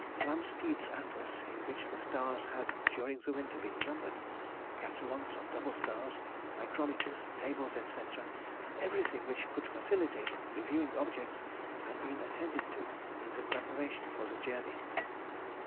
Flamsteed's Atlas, in which the stars had during the winter been numbered, catalogues of double stars, micrometers, tables, &c., and everything which could facilitate reviewing objects, had been attended to in the preparation for the journey.